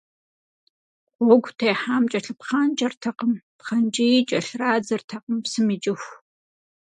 Гъуэгу техьам кӏэлъыпхъанкӏэртэкъым, пхъэнкӏии кӏэлърадзыртэкъым, псым икӏыху.